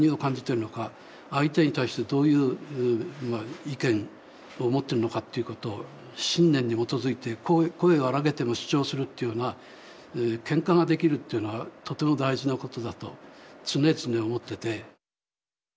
相手に対してどういう意見を持ってるのかっていうことを信念に基づいて声を荒げても主張するっていうのはけんかができるっていうのはとても大事なことだと常々思ってて。